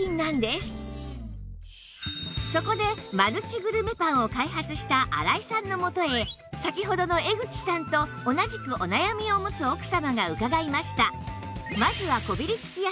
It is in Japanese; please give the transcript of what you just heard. そこでマルチグルメパンを開発した荒井さんの元へ先ほどの江口さんと同じくお悩みを持つ奥様が伺いました